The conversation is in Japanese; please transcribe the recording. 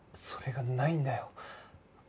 それがないんだよ。